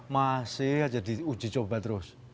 masih aja diuji coba terus